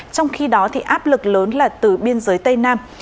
trong khi đó áp lực lớn là từ biên giới tây nam